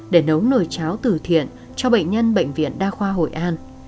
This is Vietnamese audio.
để nấu nồi cháo tử thiện cho bệnh nhân bệnh viện đa khoa hội an